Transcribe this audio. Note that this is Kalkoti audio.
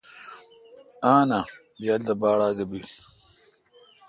آں نا ۔بیال تہ باڑ آگہ بیل۔